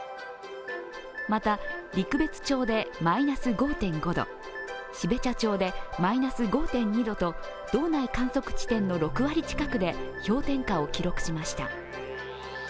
また、陸別町でマイナス５．５度、標茶町でマイナス５．２度と道内観測地点の６割近くで氷点下を記録しました。